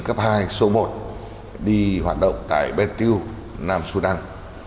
cấp hai số một đi hoạt động tại bên tiêu nam xuân anh